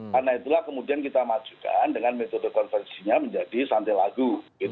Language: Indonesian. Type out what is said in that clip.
karena itulah kemudian kita majukan dengan metode konversinya menjadi santai lagu